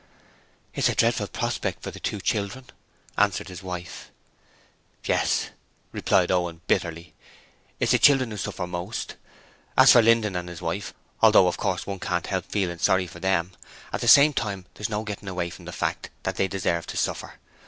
'It's a dreadful prospect for the two children,' answered his wife. 'Yes,' replied Owen bitterly. 'It's the children who will suffer most. As for Linden and his wife, although of course one can't help feeling sorry for them, at the same time there's no getting away from the fact that they deserve to suffer.